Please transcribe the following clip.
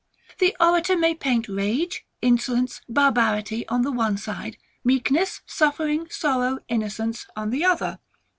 The orator may paint rage, insolence, barbarity on the one side; meekness, suffering, sorrow, innocence on the other.